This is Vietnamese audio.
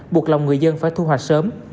buộc lòng người dân phải thu hoạch sớm